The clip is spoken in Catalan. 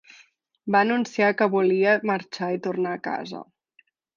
Va anunciar que volia marxar i tornar a casa.